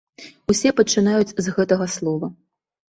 Усе пачынаюць з гэтага слова.